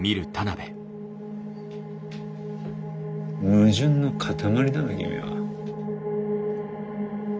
矛盾の塊だな君は。